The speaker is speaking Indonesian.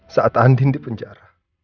saat andin dipenjara